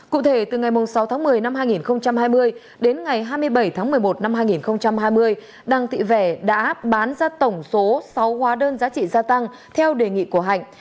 cụ thể từ ngày sáu tháng một mươi năm hai nghìn hai mươi đến ngày hai mươi bảy tháng một mươi một năm hai nghìn hai mươi đặng thị vẻ đã bán ra tổng số sáu hóa đơn giá trị gia tăng theo đề nghị của hạnh